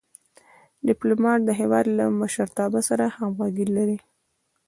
ډيپلومات د هېواد له مشرتابه سره همږغي لري.